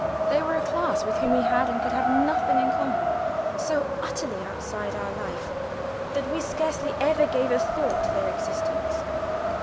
They were a class with whom we had and could have nothing in common; so utterly outside our life that we scarcely ever gave a thought to their existence.